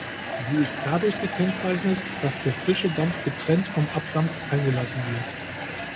Sie ist dadurch gekennzeichnet, dass der frische Dampf getrennt vom Abdampf eingelassen wird.